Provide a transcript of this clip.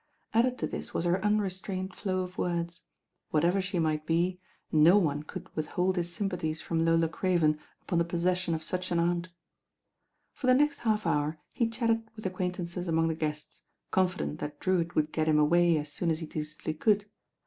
Added to this was her unrestrained flow of words. Whatever she might be, no one :ould withhold his sympathies from I ola Craven upon the possession of such an aunt. For the next half hour he chatted with acquaint ances among the guests, confident that Drewitt would get him away as soon as he decently could.